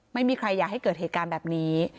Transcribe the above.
ไม่มีใครอยากให้เกิดเหตุการณ์แบบนี้